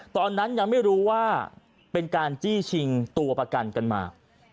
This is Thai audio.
ตอนนั้นยังไม่รู้ว่าเป็นการจี้ชิงตัวประกันกันมา